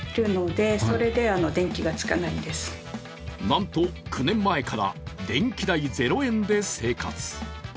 なんと９年前から電気代０円で生活。